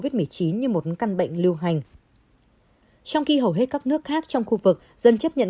trong khi hầu hết các nước khác trong khu vực dân chấp nhận